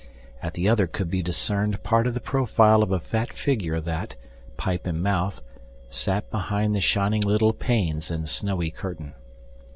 At the other could be discerned part of the profile of a fat figure that, pipe in mouth, sat behind the shining little panes and snowy curtain.